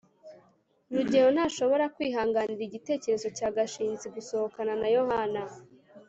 rugeyo ntashobora kwihanganira igitekerezo cya gashinzi gusohokana na yohana